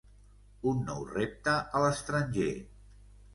Un nou repte a l'estranger.